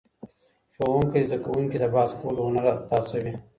ښوونکی زدهکوونکي د بحث کولو هنر ته هڅوي.